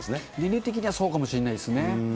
年齢的にはそうかもしれないですね。